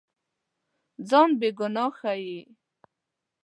ځان بېګناه ښيي.